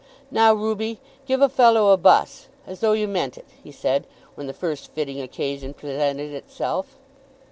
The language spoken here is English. "Now, Ruby, give a fellow a buss, as though you meant it," he said, when the first fitting occasion presented itself.